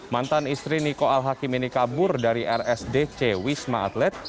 mantan istri niko al hakim ini kabur dari rsdc wisma atlet